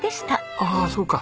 ああそうか。